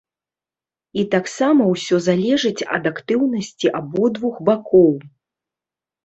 І таксама ўсё залежыць ад актыўнасці абодвух бакоў.